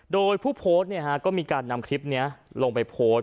โดยผู้โพสต์เนี่ยครับ